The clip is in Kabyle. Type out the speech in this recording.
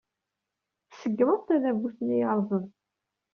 Tṣeggmeḍ tadabut-nni yerrẓen.